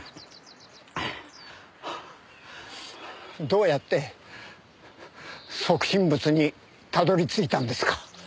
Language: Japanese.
どうやって即身仏にたどり着いたんですか？